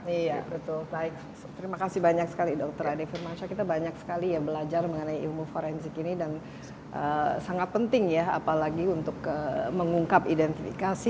iya betul baik terima kasih banyak sekali dokter ade firmansyah kita banyak sekali ya belajar mengenai ilmu forensik ini dan sangat penting ya apalagi untuk mengungkap identifikasi